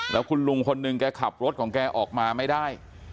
แล้วคุณลุงคนหนึ่งแกขับรถของแกออกมาไม่ได้